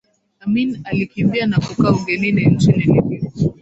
Amin alikimbia na kukaa ugenini nchini Libya